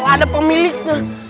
kok ada pemiliknya